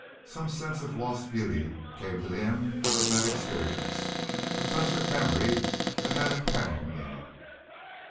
Some sense of lost beauty came to him out of that experience a touch of memory that had a pang in it.